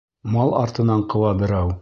Мал артынан ҡыуа берәү.